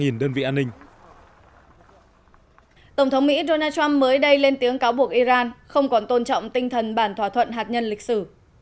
tổng thống mỹ donald trump mới đây lên tiếng cáo buộc iran không còn tôn trọng tinh thần bản thỏa thuận hạt nhân lịch sử